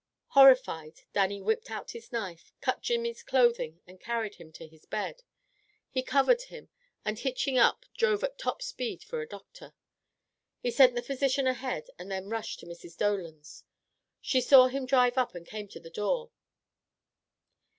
Horrified, Dannie whipped out his knife, cut Jimmy's clothing loose and carried him to his bed. He covered him, and hitching up drove at top speed for a doctor. He sent the physician ahead and then rushed to Mrs. Dolan's. She saw him drive up and came to the door.